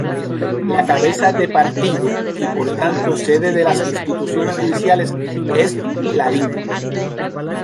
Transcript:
La cabeza de partido y por tanto sede de las instituciones judiciales es Lalín.